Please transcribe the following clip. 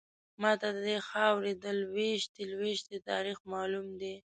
ماته ددې خاورې د لویشتې لویشتې تاریخ معلوم دی.